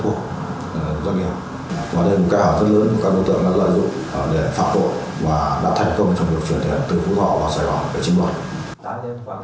và đây là một cài hỏi rất lớn của các đối tượng đã loại dụng để phạm tội và đã thành công trong việc chuyển tiền từ phú hòa vào sài gòn để chiếm loại